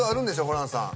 ホランさん